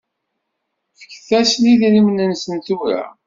Fket-asen idrimen-nsen tura.